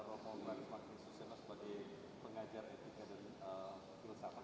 romo marismakis suseno sebagai pengajar etika dan perusahaan